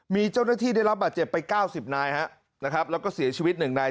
มีเจ้าหน้าที่ได้รับบาดเจ็บไป๙๐นายนะครับแล้วก็เสียชีวิต๑นาย